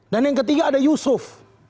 dan yang ketiga ada yusuf